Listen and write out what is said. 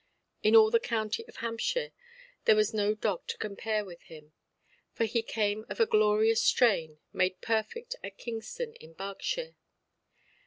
In all the county of Hants there was no dog to compare with him; for he came of a glorious strain, made perfect at Kingston, in Berkshire.